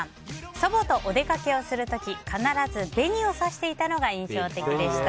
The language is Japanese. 祖母とお出かけをする時必ず紅をさしていたのが印象的でした。